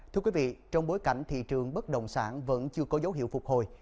thưa quý vị trong bối cảnh thị trường bất động sản vẫn chưa có dấu hiệu phục hồi